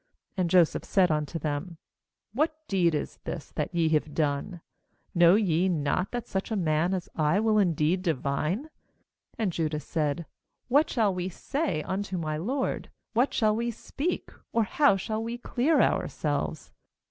15And Joseph said unto them: 'What deed is this that ye have done? know ye 55 44 15 GENESIS not that such a man as I will indeed divine?' 16And Judah said: 'What shall we say unto my lord? what shall we speak? or how shall we clear our selves?